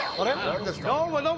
どうもどうも。